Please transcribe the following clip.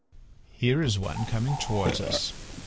"Here is one coming towards us.